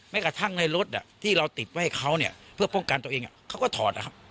กระทั่งในรถที่เราติดไว้เขาเนี่ยเพื่อป้องกันตัวเองเขาก็ถอดนะครับ